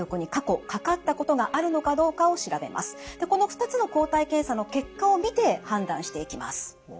この２つの抗体検査の結果を見て判断していきます。